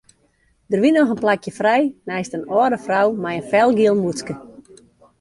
Der wie noch in plakje frij neist in âlde frou mei in felgiel mûtske.